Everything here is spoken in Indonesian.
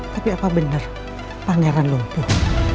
tapi apa benar pangeran lumpuh